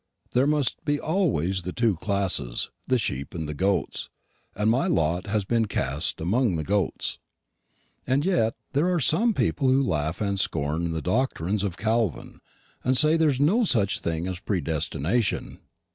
There must be always the two classes the sheep and the goats; and my lot has been cast among the goats. And yet there are some people who laugh to scorn the doctrines of Calvin, and say there is no such thing as predestination.